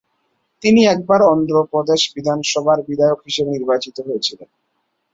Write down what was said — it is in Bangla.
তিনি একবার অন্ধ্র প্রদেশ বিধানসভার বিধায়ক হিসেবে নির্বাচিত হয়েছিলেন।